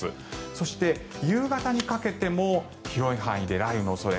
そして、夕方にかけても広い範囲で雷雨の恐れ。